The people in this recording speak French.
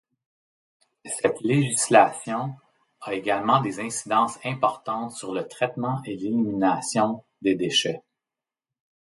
Cette législation a également des incidences importantes sur le traitement et l’élimination des déchets.